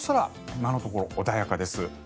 今のところ穏やかです。